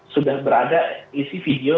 sudah berada isi video